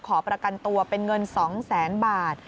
ขอประกันตัวเป็นเงิน๒แสนบาท